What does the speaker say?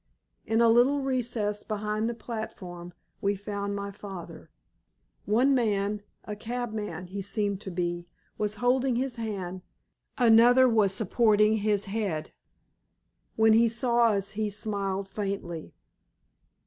In a little recess behind the platform we found my father. One man a cabman he seemed to be was holding his hand, another was supporting his head. When he saw us he smiled faintly.